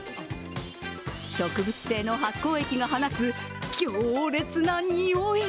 植物性の発酵液が放つ強烈なにおい。